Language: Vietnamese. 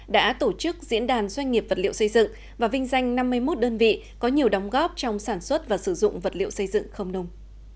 đã tổ chức diễn đàn doanh nghiệp vật liệu xây dựng và vinh danh năm mươi một đơn vị có nhiều đóng góp trong sản xuất và sử dụng vật liệu xây dựng không nung